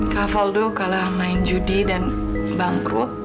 kak faldo kalah main judi dan bangkrut